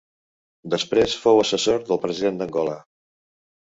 Després fou assessor del president d'Angola.